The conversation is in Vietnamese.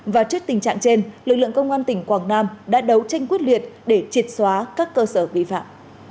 và trước tình trạng trên lực lượng công an tỉnh quảng nam đã đấu tranh quyết liệt để triệt xóa các cơ sở vi phạm